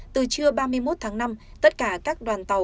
từ trưa ba mươi một tháng năm tất cả các đoàn tàu